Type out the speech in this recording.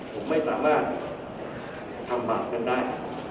ผมไม่สามารถทำบาปกันได้